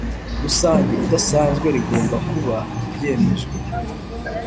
Rusange Idasanzwe rigomba kuba ryemejwe